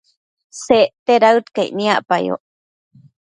Secte daëd caic niacpayoc